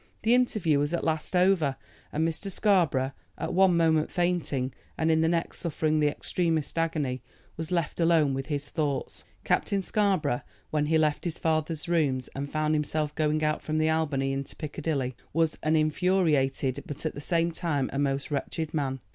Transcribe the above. The interview was at last over, and Mr. Scarborough, at one moment fainting, and in the next suffering the extremest agony, was left alone with his thoughts. Captain Scarborough, when he left his father's rooms, and found himself going out from the Albany into Piccadilly, was an infuriated but at the same time a most wretched man.